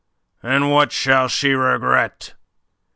"And what shall she regret?